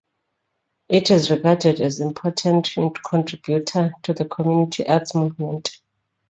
It is regarded as important contributor to the Community Arts Movement.